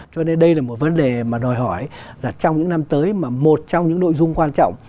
cho nên đây là một vấn đề mà đòi hỏi là trong những năm tới mà một trong những nội dung quan trọng